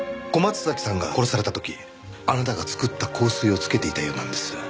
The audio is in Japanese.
小松崎さんが殺された時あなたが作った香水を付けていたようなんです。